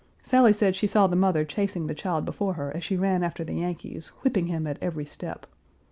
Sally said she saw the mother chasing the child before her as she ran after the Yankees, whipping him at every step.